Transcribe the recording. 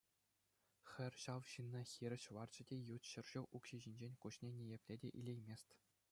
Хӗр ҫав ҫынна хирӗҫ ларчӗ те ют ҫӗршыв укҫи ҫинчен куҫне ниепле те илеймест.